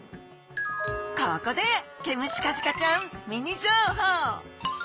ここでケムシカジカちゃんミニ情報！